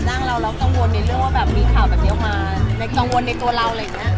อยากเกิดผู้ช่างอะไรอื่นมาช่างเรา